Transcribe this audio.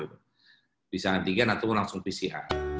bisa antigen atau langsung fisih